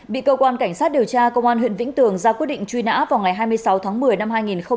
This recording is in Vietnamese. bị cơ quan cảnh sát điều tra công an huyện vĩnh tường ra quyết định truy nã vào ngày hai mươi sáu tháng một mươi năm hai nghìn một mươi ba